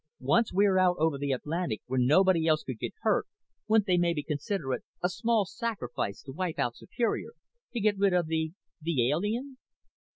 Once we're out over the Atlantic where nobody else could get hurt, wouldn't they maybe consider it a small sacrifice to wipe out Superior to get rid of the the alien?"